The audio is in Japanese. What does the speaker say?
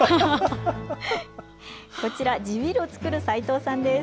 こちら、地ビールを造る齋藤さんです。